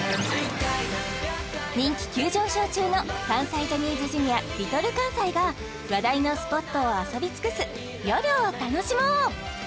人気急上昇中の関西ジャニーズＪｒ．Ｌｉｌかんさいが話題のスポットを遊び尽くす「よるを楽しもう！」